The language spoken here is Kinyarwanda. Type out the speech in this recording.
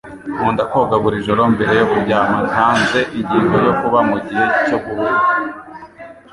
Nkunda koga buri joro mbere yo kuryama. Ntanze ingingo yo kuba mugihe cyo guhura.